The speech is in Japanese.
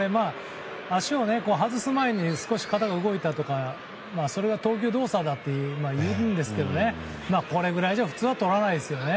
足を外す前に少し肩が動いたとかそれが投球動作だといえるんですけどこれぐらいじゃ普通はとらないですね。